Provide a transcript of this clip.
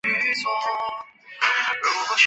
第六世洞阔尔活佛是内蒙古茂明安旗人。